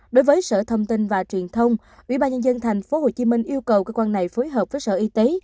đối với sở thông tin và truyền thông ubnd tp hcm yêu cầu cơ quan này phối hợp với sở y tế